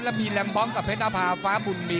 และมีแหลมบอมกับเพชรอภาษาภูมิ